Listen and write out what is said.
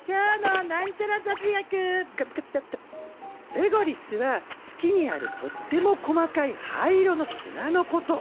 レゴリスは月にあるとっても細かい灰色の砂のこと。